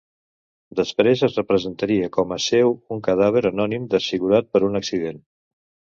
Després es presentaria com a seu un cadàver anònim desfigurat per un accident.